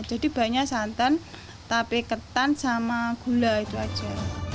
jadi banyak santan tapi ketan sama gula itu aja